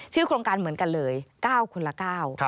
โครงการเหมือนกันเลย๙คนละ๙